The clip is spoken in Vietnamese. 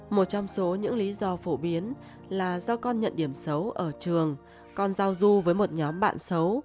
một trong số những lý do phổ biến là do con nhận điểm xấu ở trường con giao du với một nhóm bạn xấu